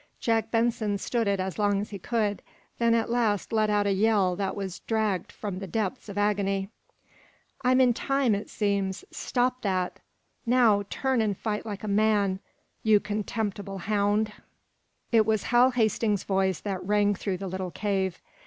Jack Benson stood it as long as he could, then at last let out a yell that was dragged from the depths of agony. "I'm in time, it seems! Stop that! Now, turn and fight like a man you contemptible hound!" It was Hal Hastings's voice that rang through the little cave.